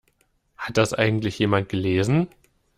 Hat das eigentlich jemand gelesen?